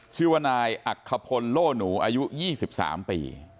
ชื่อว่านายอักขพลโล่หนูอายุ๒๓ปี